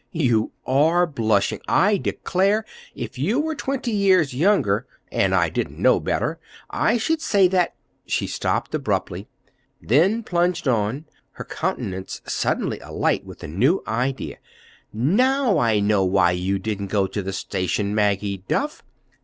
"You are blushing! I declare, if you were twenty years younger, and I didn't know better, I should say that—" She stopped abruptly, then plunged on, her countenance suddenly alight with a new idea. "Now I know why you didn't go to the station, Maggie Duff!